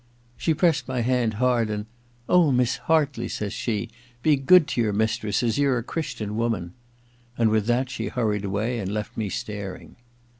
She pressed my hand hard, and, * Oh, Miss Hardey,' says she, * be good to your mistress, as you're a Christian woman.' And with that she hiu ried away, and left me staring.